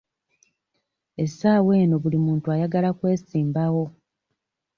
Essaawa eno buli muntu ayagala kwesimbawo.